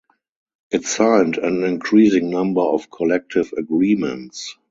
It signed an increasing number of collective agreements.